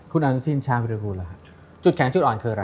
คุณอนุทินชาวพิทธิบูรณ์จุดแข็งจุดอ่อนคืออะไร